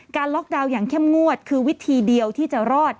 ล็อกดาวน์อย่างเข้มงวดคือวิธีเดียวที่จะรอด